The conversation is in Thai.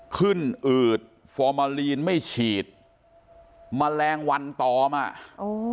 ขึ้นอืดไม่ฉีดแมลงวันตอมอ่ะโอ้